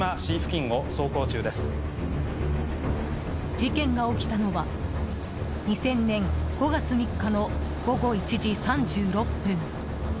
事件が起きたのは２０００年５月３日の午後１時３６分。